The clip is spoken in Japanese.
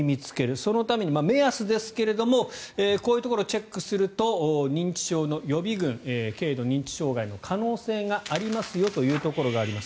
そのために目安ですがこういうところをチェックすると認知症の予備軍軽度認知障害の可能性がありますよというところがあります。